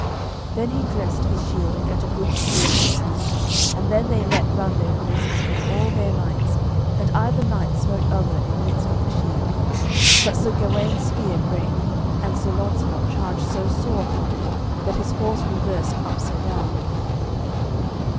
Then he dressed his shield and gat a good spear in his hand, and then they let run their horses with all their mights, and either knight smote other in midst of the shield. But Sir Gawaine's spear brake, and Sir Launcelot charged so sore upon him that his horse reversed up so down.